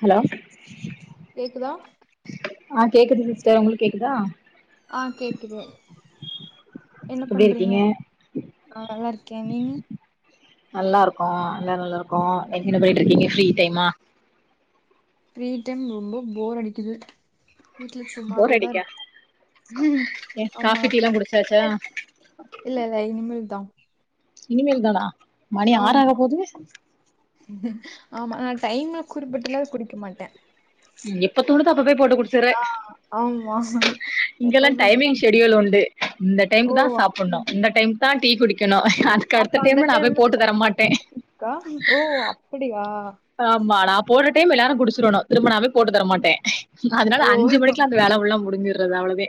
Hello கேக்குதா ஆ கேக்குது சிஸ்டர் உங்ளுக் கேக்குதா ஆ கேக்குது என்ன எப்டி பண்றீங்க இருக்கீங்க ஆ நல்லா இருக்கே நீங்க நல்லாருக்கோ எல்லாரு நல்லாருக்கோ எங்கன போய்ட்டுருக்கீங்க ஃப்ரீ டைமா ஃபிரீட்டைம் ரொம்ப போரடிக்குது வீட்ல போர் சும்மாவேதா அடிக்கா இருக்கே ம்ம்ம் ஏ ஆமா காஃபி டீ எல்லா குடிச்சாச்சா இல்ல இல்ல இனிமல் தா இனிமேல் தானா மணி ஆறாக ஆமா போகுது ஆமா நா டைம்ல குறிப்பிட்டுலா குடிக்க மாட்டே எப்பத்தோனுதோ அப்ப போயி போட்டு குடுச்சுரே அம்மா மேஷ இங்கலா டைமிங் ஷெடியூலுண்டு இந்த ஓ டைமு தா சாப்டணூ அப்டி இந்த டைமு தா டீ குடிக்கணு அதுக்டுத்த டைமு நா போயி போட்டு தர மாட்டே க்கா ஓ அப்டியா ஆமா நா போற டைம் எல்லாரு குடுச்சிரெணு திருமணாவே போட்டு தரமாட்டே ஓ திரும்புஅதுனால அஞ்சு மணிக்குலா அந்த வேல உள்ளா முடுஞ்சறது அவ்ளோதே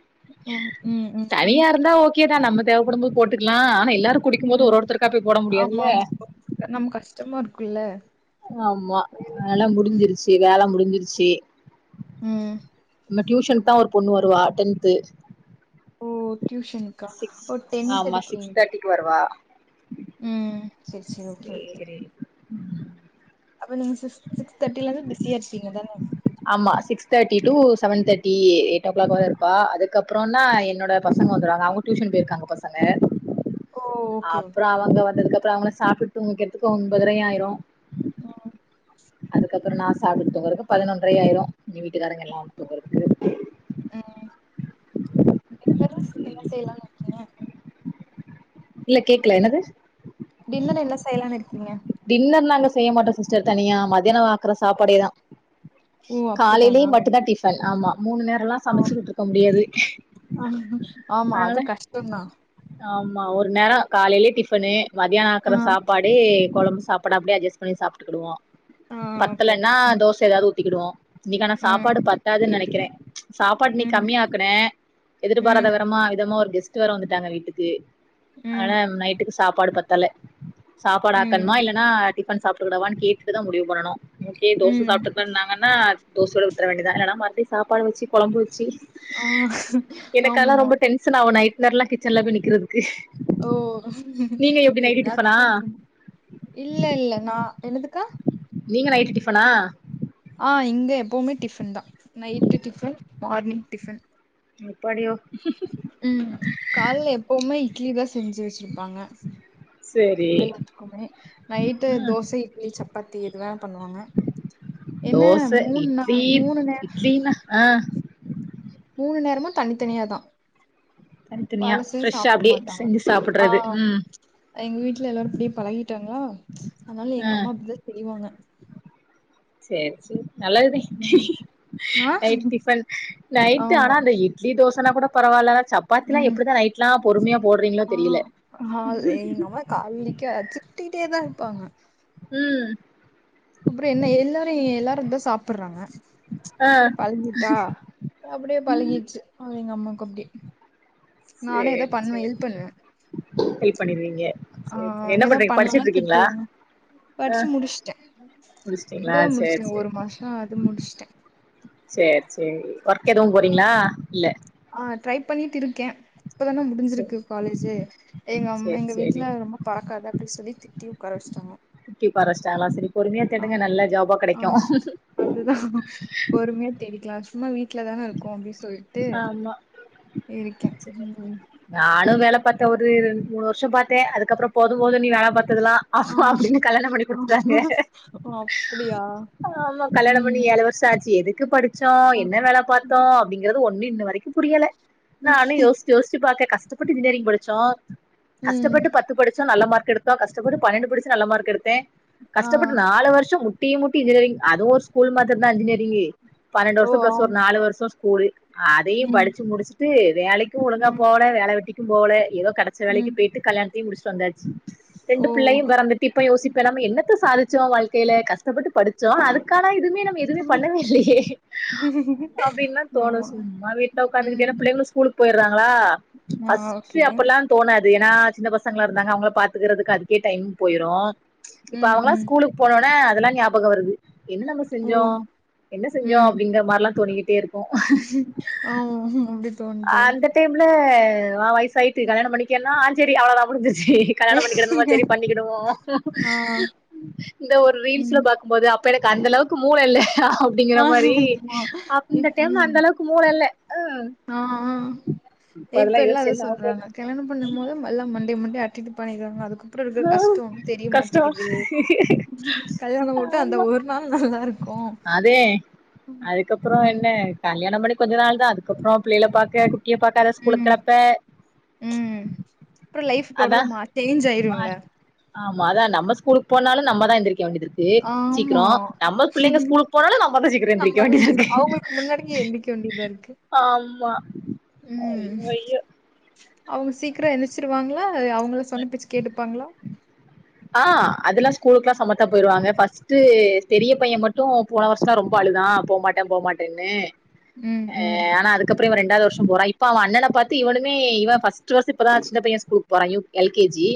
ம் ம் ம் ம் தனியாருந்தா ஓகேதா நம்ம தேவப்படுபோது போட்டுக்லா ஆனா எல்லாரூ குடிக்குபோது ஒருஒருத்தருக்கா போய் போட முடியாதுல அது நம்கு கஷ்டமா இருக்குல்ல ஆம்மா அதலா ம் முடிஞ்சிருச்சு வேல முடிஞ்சிருச்சு ம் நம்ம டியூஷனு தா ஒரு பொண்ண வருவா டென்து ஓ டியூஷன்கா சிக்ஸ் ஓ டென்த் ஆமா சிக்ஸ் எடுக்குறீங்களா தேர்ட்டிக்கு வருவா ம் சேரி சேரி ஓகே ஓகே அப்ப நீங்க சிஸ் சிக்ஸ் தேட்டிலருந்து பிஸியா இருப்பீங்க தான ஆமா சிக்ஸ் தேட்டி டூ செவன் தேட்டி எயிட் ஓ க்ளாக் வர இருப்பா அதுக்கப்புறன்னா என்னோட பசங்க வந்துருவாங்க அவ்ங்க டியூஷன் போய்ருக்காங்க பசங்க ஓ ஓகே அப்றோ ஓகே அவங்க வந்ததுக்கப்றோ அவங்கள சாப்ட்டு தூங்கவக்கிறதுக் ஒன்பதரையாயுரு ம் அதுக்கப்பறோ நா சாப்ட்டு தூங்கறக்கு பதினொன்றரையாயிரு எங்க வீட்டுக்காரங்க எல்லாந்தூங்கறக்கு ம் என்னடா என்ன செய்லானு [unintelligible] இல்ல கேக்ல என்னது டின்னரு என்ன செய்யலானு இருக்கீங்க டின்னர்லா நாங்க செய்ய மாட்டோ சிஸ்டர் தனியா மதியானோவாக்குற சாப்பாடே தா ஓ காலைலே அப்டித்தானா மட்டுந்தா டிஃபன் எல்லா ஓ சமச்சுகுட்டிற்க இருக்க முடியாது ஆ, ஆமா அது அதனால கஷ்டந்தா ஆம்மா ஒரு நேரோ காலைலே டிஃபனு மதியானோ ஆ ஆக்குற சாப்பாடே கொழம்பு சாப்டாப்படியே அட்ஜஸ் பண்ணி சாப்ட்டுகிடுவோ ஆ ஓகே பத்தலனா ஓகே தோச ஏதாவ்து ஊத்திகிடுவோ இன்னைக்கான சாப்பாடு ம் பத்தாதுனு நெனைக்கிறே ச் சாப்பாடின்க்கி ம் கம்மியாக்குன ம் எதிர்பாராதவரமா விதமா ஒரு கெஸ்ட் வேர வந்துட்டாங்க வீட்டுக்கு ம் ஆனா நைட்டுக்கு சாப்பாடு பத்தல சாப்பாடு ம் ஆக்கணுமா ம் இல்லனா டிஃபன் சாப்டு சுடவானு கேட்டு தா முடிவு பண்ணனு இட்லி தோச ம். சாப்ட்டுபேன்னாங்க கனா தோசயோடு விட்ற வேண்டிதா ஏனா மறுபடி சாப்பாடு வச்சு கொழம்பு வச்சு ஆ ஆம்மா டென்ஸனாவூ நைட்டு நேரலா கிச்சன்ல போயி நிக்கிறதுக்கு ஓ ம்கு நீங்க எப்டி நைட்டு டிஃபனா எல்லாத்துக்கு இல்ல இல்ல நா என்னதுக்கா நீங்க நைட்டு டிஃபனா ஆ இங்க எப்போமே டிஃபன் தா நைட்டு் டிஃபன் மார்னிங் டிஃபன் எப்பாடியோ ம் கால்ல எப்போமே இட்லி தா செஞ்சு வச்சுருப்பாங்க சேரி எல்லாத்துக்குமே நைட்டு ம் தோசை இட்லி சப்பாத்தி இது வே பண்ணுவாங்க என்ன தோச மூணு நா இட்லி மூணு நேர இட்லினா ஆ மூணு நேரமு தனித்தனியா தா தனித்தனியா பழசே ஃப்ரெஷ்ஷா சாப்ட அப்டியே மாட்டாங்க செஞ்சு ஆ சாப்புட்றது ம் எங்க வீட்ல எல்லாரு இப்டியே பழகிட்டாங்களா அதனால ஆ எங்க அம்மா அப்டித்தா செய்வாங்க சேரி சேரி நல்லதுதே ம் ஆ நைட் டிபன் நைட் ஆமா ஆனா அந்த இட் இட்லி தோசனா கூட பரவால்ல சப் பாத்திலா ம் எப்டிதா நைட்லா பொறுமையா போடுறீங்களோ ஆ தெரியல கூட்டிட்டே தா இருப்பாங்க ம் அப்புறோ என்ன எல்லாரு எல்லாரு தா சாப்பர்றாங்க ஆ அப்டி பழங்கிட்டா அப்டியே பழகிடுச்சு அவங் எங்க அம்மாக்கு அப்டி நானே ஏதோ சேரி பண்ணுவே சேரி இது பண்ணுவே ஹெல்ப் பண்ணிருவீங்க ஆ சேரி சேரி என்ன ஏதாவ் பண்றீங்க பண்லனா படிச்சுட்டு இருக்கீங்களா திட்டுவாங்க ஆ படிச்சு முடிச்ட்டே முடிச்சுட்டீங்களா இப்பதா சேரி முடிச்சே சேரி ஒரு மாச அது முடிச்ட்டே சேரி சேரி ஒர்க் எதுவு போறீங்களா இல்ல ஆ ட்ரை பண்ணிட்டு இருக்கே இப்பதான சேரி முடிஞ்சிருக்கு காலேஜ்ஜு எங்க அம் சேரி எங்க சேரி வீட்ல ரொம்ப பறக்காத அப்டி சொல்லி திட்டி உக்காரவச்சுட்டாங்க திட்டி உக்காரவச்சுட்டாங்களா சரி பொறுமையா தேடுங்க நல்ல ஜாபா கெடைக்கு அப்டிதா பொறுமையா தேடிக்லா சும்மா வீட்ல தான இருக்கோ அப்டி சொல் ட்டு ஆமா இருக்கே ம் நானும் வேல பாத்தே ஒரு ரெண்டு மூணு வருஷ பாத்தே அதுக்கப்ற போது போது நீ வேல பாத்ததலா ஆ அப்பறோ அப்டியா ஆமா கல்யாண பண்ணி ம் ஏழு வருஷ ஆச்சு எதுக்கு படிச்சோ ஆ. என்ன வேல பாத்தோ அப்டிங்கறது ஒன்னு இன்ன வரைக்கு புரியல நானு யோசிச்சு யோசிச்சு பாக்க கஷ்டப்பட்டு இன்ஜினியரிங் படிச்சோ கஷ்டப்பட்டு ம் பத்து படிச்சு நல்ல மார்க் எடுத்தோ கஷ்டப்பட்டு பன்னெண்டு படிச்சு நல்ல மார்க் எடுத்தே ஆ கஷ்டப்பட்டு நாலு வருஷ முட்டி முட்டி இன்ஜினியரிங் அதுவு ஒரு ஸ்கூல் மாதிரி தா இன்ஜினியரிங்கு பன்னெண்டு ஓ வருஷ ஆ பிளஸ் ஒரு நாலு வருஷ ஸ்கூலு அதயு ம் படிச்சு முடிச்சுட்டு வேலைக்கு ஒழுங்கா ம் போல வேல வெட்டிக்கு போல எதோ கடச்ச வேலைக்கு ம் போயிட்டு கல்யாண தயு முடிச்சட்டு வந்தாச்சு ரெண்டு ஓ பிள்ளையு பெறந்துட்டு இப்ப யோசிப்ப நம்ம என்னத்த சாதிச்சோ வாழ்க்கைல கஷ்ட ப்பட்டு படிச்சோ அதுக்கான எதுமே நம்ம எதுவுமே பண்ணவே இல்லயே அப்டின்லா தோணு ஆமா சும்மா வீட்ல உட்காந்துக்கிட்டு ம் என்னா பிள்ளைங்களு ஸ்கூலுக்கு போயிறாங்களா ஆ ஃபர்ஸ்ட் ஓகே அப்பல்லா தோணாது ஏன்னா சின்ன பசங்களா இருந்தாங்க அவங்கள பாத்துக்குறதுக்கு அதுக்கே டைம் போய்ரு இப்ப ம் அவங்களா ம் ஸ்கூலுக்கு போனோனே அதெல்லா ஞாபக வருது என்ன நம்ம ஓ செஞ்சோ என்ன செஞ்சோ அப்டிங்கிற மாரிலா தோணிக்கிட்டே இருக்கு ஆமா மா அப்டி தோணுதே அந்த டைம்ல ஆ வயசு ஆயிட்டு கல்யாண பண்ணிக்கேனா ஆஞ் சரி அவ்ளோ தா முடிஞ்சிருச்சு கல்யாண பண்ணிக்கிடனுமா சரி பண்ணிக்கிடுவோ ஆ இந்த ஒரு ரீல்ஸ்ல ம் பாக்குபோது அப் ப்ப எனக்கு அந்த அளவுக்கு மூள இல்ல அப்டிங்கிற ஆ மாரி ஆமா இந்த இப் டைம்ல ம் அந்த அளவுக்கு மூள இல்ல ம் ஆ ஆ இப்ப எல்லா அத என்ன ஆவ போது சொல்றாங்க கல்யாண பண்ணு போது நல்லா மண்டைய மண்டைய ஆட் இது பண்ணிக்கோங்க அதுக்கப்ற இருக்குற ஆ கஷ்ட வந்து தெரிய கஷ்டோ மாட்டேக்குது கல்யாண ஓட்டு அந்த ஆமா ஒரு நாள் நல்லாருக்கு அதே அதுக்கப்ற என்ன கல்யாண பண்ணி கொஞ்சோ நாள் தா அதுக்கப்ற பிள்ளைகள பாக்க குட்டிய பாக்க அத ஸ்கூலுக்கு ம் கெளப்ப ம் அப்ற லைஃப் அதா டோட்டலா மா சேஞ்ச் ஆயிருல ஆமா அதா நம்ம ஸ்கூலுக்கு போனாலு நம்ம தா எந்திரிக்க வேண்டியதுருக்கு ஏ சீக்கிர ஆமா நம்ம பிள்ளைங்க ஸ்கூலுக்கு போனாலு நம்மதா சீக்கிர எந்திரிக்க வேண்டியதா இருக்கு முன்னாடிக்கு எந்திரிக்க வேண்டியதா இருக்கு ஆமா ம் ஐயோ ஐயோ அவங்க சீக்கிர எந்திச்சிருவாங்ளா அவங்கள சொன்னப்பேச்சு கேட்டுப்பாங்ளா ஆ அதெல்லா ஸ்கூலுக்லா சமத்தா போயிருவாங்க ஃபர்ஸ்ட் பெரிய பைய மட்டு போன வருஷ தா ரொம்ப அழுதா போமாட்டே போமாட்டேன்னு ம் ஆ ம் ஆனா அதுக்கு அதுக்கபற இவன் ரெண்டாவது வருஷ போறா இப்ப அவ அண்ணனை பாத்து இவனுமே இவன் ஃபர்ஸ்ட் ஃபர்ஸ்ட் இப்பதா சின்ன பைய ஸ்கூலுக் போறா யு எல்கேஜி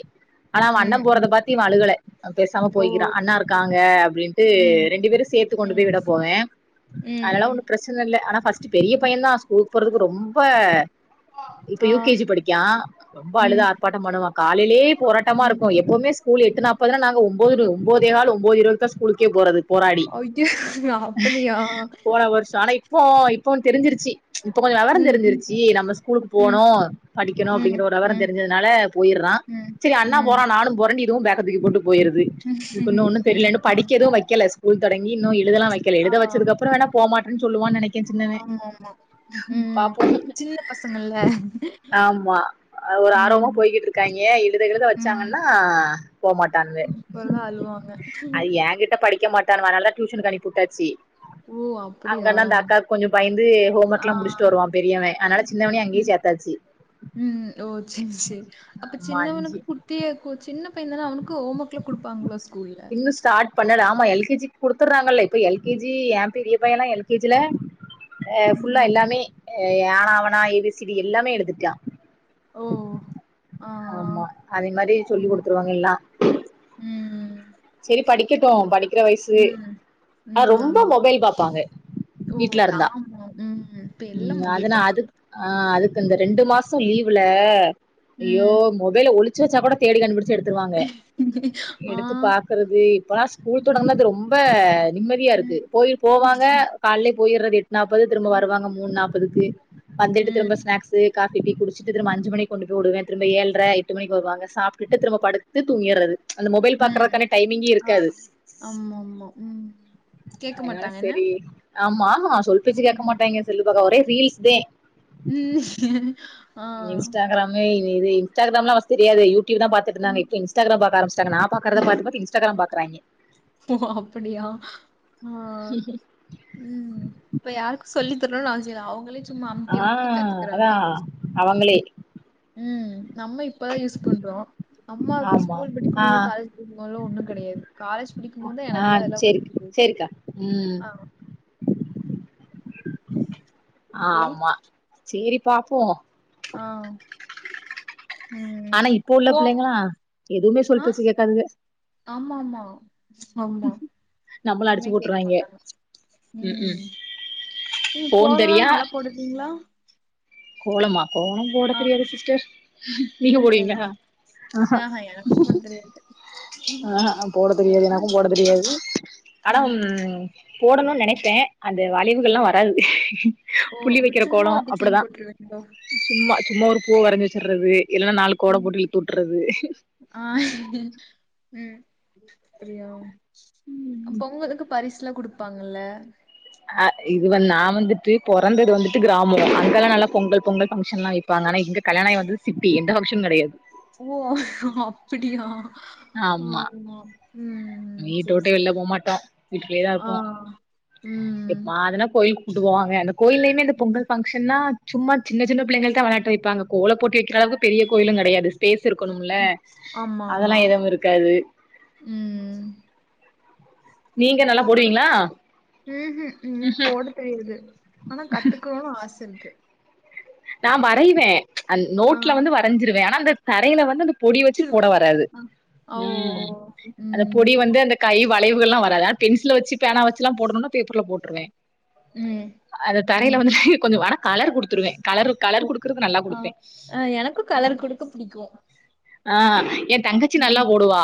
ஆனா அவ அண்ண ம் போறத ம் பாத்து இவ அழுகல பேசாம ஓ போய்கிறா அண்ணா இருக்காங்க அப்டின் இது ம் ரெண்டு பேரு சேத்து கொண்டு ம் போய் விட போவே ம் அதனால ம் ஒன்னு பிர ச்சனை இல்ல ஆனா ஃபர்ஸ்ட் பெரிய பைய ம் தா ஸ்கூல்க்கு போறதுக்கு ரொம்ப இப்ப ஆ யூகேஜி படிக்கா ரொம்ப அழுது ம், ஆர்ப்பாட்ட பண்ணுவா காலைலயே போராட்டமா ம். இருக்கு எப்போமே ஸ்கூல் எட்டு நாப்பதுனா நாங்க ஒன்பது இருவது ஒன்பதே கால் ஒன்பது இருவதுக்கு தா ஸ்கூலுக்கே போறது போராடி ஐயோ! அப்படியா? போன வருஷ ஆனா இப் ப இப்ப தெரிஞ்சிருச்சு இப்ப கொஞ்ச வெவர ம், தெரிஞ்சிருச்சு நம்ம ஸ்கூலுக்கு ம், ம், போணு படிக்கணு ம், அப்டிங்கிற ஒரு வெவர ம், தெரிஞ்சதுனால போயிறா ம், சேரி அண்ணா ம், போறா நானு போறேன்னு இதுவு பேக்க தூக்கி போட்டு போயிருது இதுக்கின்னு ம், ஒன்னு தெரில ம். இன்னு ம். படிக்க எது வக்கல ஸ்கூல் தொடங்கி இன்னு எழுதலா வைக்கல எழுத வச்சதுக்கப்பறோ வேன போமாட்டேன்னு சொல்வான் நெனக் ஆமா ஆமா பாப்போ ஆமா ஒரு ஆர்வமா ம், போய்கிட்டுருக் காங்க எழுத கிழுத வச்சாங்கன்னா போமாட்டானுங்க அப்பெல்லா அழுவாங்க எ கிட்ட படிக்க மாட்டானுவ அனாலதா டியூஷனுக்கு அனுப்பிவுட்டாச்சு ஓ அப் அங்கனா அந்த அக்காக்கு கொஞ்ச பயந்து ஹோம் ஆ. ஒர்க்லா முடிச்ட்டு வருவா பெரியவ அனால சின்னவனயு அங்கயே ம், சேத் தாச்சி ம் ஓ சேரி சேரி அப்ப ஆமா அஞ்சு சின்னவனுக்கு குட் ட்டியாருக்கு சின்ன பையன் தானா அவனுக்கு ஹோம் ஒர்க்லா குடுப்பாங்களோ ஸ்கூல்ல இன்னு ஸ்டார்ட் பண்ணல ஆமா எல் கே ஜி க்கு குடுத்தறாங்களே இப்ப எல் கே ஜி ஏ பெரிய பையன்லா எல் கே ஜில அ ஃபுல்லா ம். எல்லாமே ஆனாவனா ஏ பி சி டி எல்லாமே எழுதிட்டா ஓஹோ அ ஆமா அதே மாரி சொல்லி குடுத்துருவாங்க எல்லா ம், சேரி படிக்கட்டு படிக்குற வயசு ம், ஆனா ம். ரொம்ப ஆமா. மொபைல் பாப்பாங்க ஓ வீட்ல இருந்தா ஆமா ம் இப்ப எல்லா ம் மொபைல் அதனா பாக்க அது ஆ அதுக்கு அந்த ரெண்டு மாசோ லீவுல ஐய்யோ ம். மொபைல ஒழிச் ச்சு வச்சா கூட தேடி கண்டுபிடிச்சு எடுத்துருவாங்க ஆ. எடுத்து பாக்குறது இப்பெல்லா ஸ்கூல் ம். தொடங்குனது ரொம்ப நிம்மதியா இருக்கு ம். போயி போவாங்க காலைலே போயிறது எட்டு நாப்பது திரும்ப வருவாங்க மூணு நாப்பதுக்கு வந்துட்டு திரும்ப ம். ஸ்நாக்ஸு காபி டீ குடிச்சுட்டு திரும்ப அஞ்சு மணிக்கு கொண்டு போய்வுடுவே திரும்ப ஏழ்ர எட்டு மணிக்கு வருவாங்க சாப்டுட்டு திரும்ப படு த்து துங்கியறது அந்த மொபைல் பாக்கற ம். க்கான டைமிங்கே ஆ. இருக்காது ஆமாமா. ம். கேட்க அதனால மாட்டாங்க என்ன? செரி ஆமா சொல் பேச்சு கேட்க ம். மாட்டாங்க செல்லு பாக்க ஒரே ரீல்ஸ் தே ம் ஆ. இன்ஸ்டாகிராமு இது இன்ஸ்டாகிராம்லா ஃபர்ஸ்ட் தெரியாது யுடியூப் தா பாத்துட்டு இருந்தாங்க ம். இப்ப இன்ஸ் டாகிரம் பாக்க ஆரம்பிச்சுட்டாங்க நா பாக்கறத பாத்து பாத்து இன்ஸ்டாகிரம் பாக்கறாங்க ஓ அப்டியா ஆ ம் இப்ப யாருக்கு சொல்லி தரணுன்னு அவசிய இல்ல அவங்களே சும்மா அமுத்தி ஆ அமுத்தி கத்துக்குறாங்க அதா அவங்களே ம் நம்ம இப்பதா யூஸ் பண்றோ நம்மா ஆமா ஸ்கூல் ஆ படிக்கும் போது காலேஜ் படிக்கும் போதுல்லா ஒன்னு கெடையாது காலேஜ் படிக்கும் போதுதா ஆ எனக்குல்லா எல்லா சேரி வந்து சேரிக்கா ம் ஹலோ ஆமா சேரி பாப்போ ஆ ம் ஆனா இப்ப உள்ள கோ பிள்ளைங்களா எதுவுமே சொல் பேச்சு கேட்காதுக ஆமாம்மா ஆமா நம்மள எதுமே அடிச்சு கேட்க போட்டுருவாய்ங்க மாட்டாங்க ம் நீங்க ஃபோன் கோவோ தெரியா நல்லா கொடுப்பீங்களா கோலமா கோலம் போட ஆ தெரியாது சிஸ்டர் நீங்க தெரியாதா போடுவீங்களா ஆஹா எனக்கு போட தெரியாது ஆஹா ஆ போட தெரியாது ஆனா எனக்கும் போட தெரியாது அடம் ம் போடணும்னு நினைப்பேன் அந்த ம் வளைவுகள்ல்லாம் வராது ஓ புள்ளி அப்ப வைக்கிற சும்மா கோலம் ஒரு டிசைன் அப்படிதான் [inaudible] சும்மா சும்மா ஒரு பூவ வரஞ்சி வச்சுறது இல்லனா நாலு கோட ம் போட்டு வெட்டி வுட்டுறது ஆ உம் அப்படியா பொங்கலுக்கு பரிசுலாம் குடுப்பாங்கல்ல அ இது வந்து நா வந்துட்டு பொறந்தது வந்துட்டு கிராமம் அங்கெல்லாம் நல்லா பொங்கல் பொங்கல் ஃபங்க்ஷன் எல்லாம் வை ப்பாங்க ஆனா இங்க கல்யாணம் ஆகி வந்து சிட்டி எந்த ஃபங்கஷனும் கிடையாது ஓ அப்படியா ஆமா உம் வீட்ட வுட்டு வெளில போமாட்டோம் வீட்டுக்குள்ளே தான் ஆ இருப்போம் ம் எப்மாதுனா கோயில் விடுவாங்க அந்த கோயிலயுமே இந்த ம் பொங்கல் ஃப ஃபங்ஷன்னா சும்மா சின்ன சின்ன பிள்ளைங்களுக்கு தான் விளையாட்டு வைப்பாங்க கோல போட்டி வைக்கிற அளவுக்கு பெரிய கோயிலும் கிடையாது பிளேஸ் இருக்கணும்ல ம். அதெல்லாம் எதுவும் இருக்காது உம் நீங்க நல்லா போடுவீங்களா உங்களுக்கு உஹும் உம் போட தெரியாது ஆனா கத்துக்கணும்னு ஆச இருக்கு நா வரைவேன் அந்த் ஆ நோட்ல வந்து வரைஞ்சிருவேன் ஆனா அந்த தரையில வந்து பொடி வச்சு போட வச்சுருவேன். வராது ஆ. ஓ! ஓ! உம் அந்த ம். பொடி வந்து அந்த கை வளைவுகள்ல்லாம் வராது ஆனி பென்சில வச்சு பேனா வச்சுல்லாம் போடணும்னா பேப்பர்ல போட்டுருவேன் ம். அந்த தரையில ம். வந்து கொஞ்சோ ஆனா கலர் குடுத்துருவேன் கலர் ஓ! கலர் குடுக்குறது நல்லா ஆ. குடுப்பேன் அ எனக்கும் கலர் குடுக்க பிடிக்கும் ஆ என் தங்கச்சி நல்லா ம். போடுவா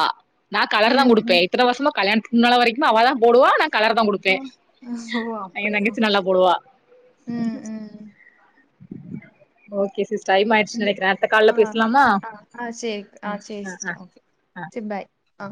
நா கலர் தா ம். குடுப்பேன் ம். இத்தன வருசமா கல்யாணத்துக்கு முன்னால வரைக்கும் அவ தான் போடுவா நா கலர் தான் ஆ. குடுப்பேன் ஓ! அ என் அப்படியா? தங்கச்சி நல்லா போடுவா ம். ம். ஓகே சிஸ்டர் டைம் ஆயிடுச்சு ம். நினைக்கிறேன் அடுத்த கால்ல ஆ. பேசலாமா ஆ. ஆ சேரி ஆ ம் சேரி ஆ சிஸ்டர் ஓகே ஆ சேரி பாய் ஆ.